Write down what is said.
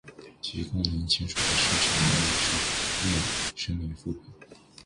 提供您签署的授权代理书面声明副本；